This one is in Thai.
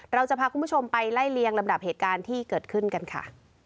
เราจะพาคุณผู้ชมไปไล่เลียงลำดับเหตุการณ์ที่เกิดขึ้นกันค่ะ